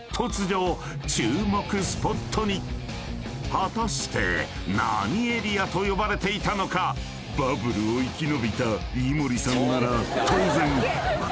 ［果たして何エリアと呼ばれていたのかバブルを生き延びた井森さんなら当然分かりますよね？］